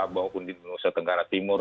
maupun di nusa tenggara timur